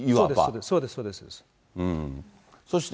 そうです、そうです。